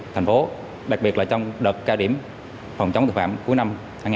thành phố đặc biệt là trong đợt cao điểm phòng chống thực phạm cuối năm hai nghìn một mươi hai